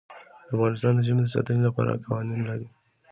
افغانستان د ژمی د ساتنې لپاره قوانین لري.